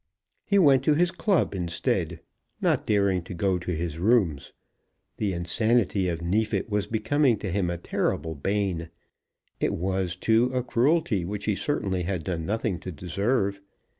He went to his club instead, not daring to go to his rooms. The insanity of Neefit was becoming to him a terrible bane. It was, too, a cruelty which he certainly had done nothing to deserve.